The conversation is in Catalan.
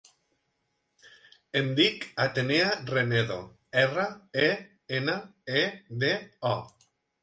Em dic Atenea Renedo: erra, e, ena, e, de, o.